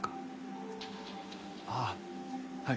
ああはい。